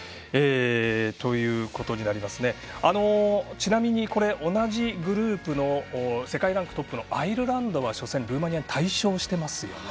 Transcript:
ちなみに、同じグループの世界ランクトップのアイルランドは、初戦ルーマニアに大勝してますよね。